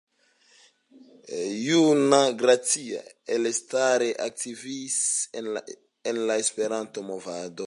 Juan Gracia elstare aktivis en la Esperanto movado.